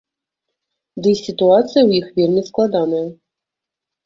Ды й сітуацыя ў іх вельмі складаная.